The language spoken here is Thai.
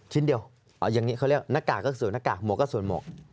ชิ้นเดียวเอาอย่างนี้เขาเรียกหน้ากากก็ส่วนหน้ากากหมวกก็สวมหมวก